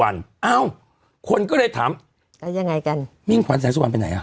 เอ้าคนก็เลยถามแล้วยังไงกันมิ่งขวัญแสงสุวรรไปไหนอ่ะ